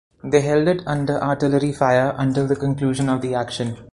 They held it under artillery fire until the conclusion of the action.